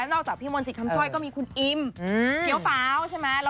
นอกจากถึงพี่มนติสิทธิ์คำสร้อยก็มีคุณอิมเดี๋ยวเฟ้าใช่ไหม